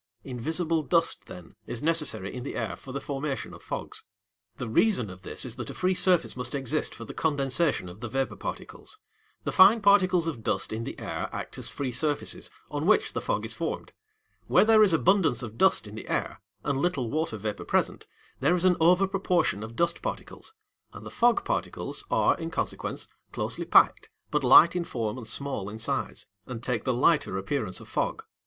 Invisible dust, then, is necessary in the air for the formation of fogs. The reason of this is that a free surface must exist for the condensation of the vapour particles. The fine particles of dust in the air act as free surfaces, on which the fog is formed. Where there is abundance of dust in the air and little water vapour present, there is an over proportion of dust particles; and the fog particles are, in consequence, closely packed, but light in form and small in size, and take the lighter appearance of fog.